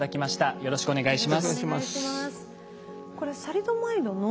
よろしくお願いします。